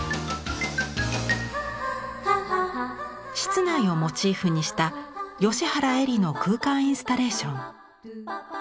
室内をモチーフにした吉原英里の空間インスタレーション。